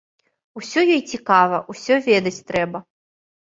Усё ёй цікава, усё ведаць трэба.